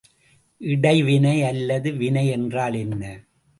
இடைவினை அல்லது வினை என்றால் என்ன?